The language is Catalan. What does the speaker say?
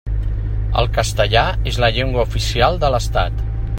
El castellà és la llengua oficial de l'Estat.